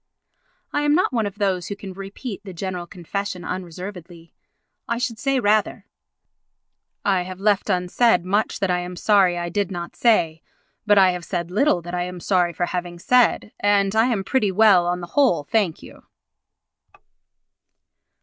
I am not one of those who can repeat the General Confession unreservedly. I should say rather: "I have left unsaid much that I am sorry I did not say, but I have said little that I am sorry for having said, and I am pretty well on the whole, thank you."